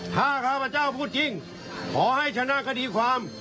ถ้าข้าพเจ้าพูดจริงขอให้ชนะคดีความ